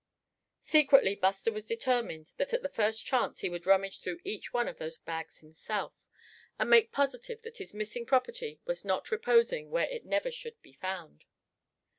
Secretly Buster was determined that at the first chance he would rummage through each one of those bags himself, and make positive that his missing property was not reposing where it never should be found.